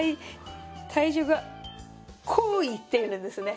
体重がこういってるんですね。